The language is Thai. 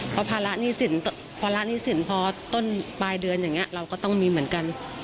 เพราะภาระหนี้สินภาระหนี้สินพอต้นปลายเดือนอย่างนี้เราก็ต้องมีเหมือนกัน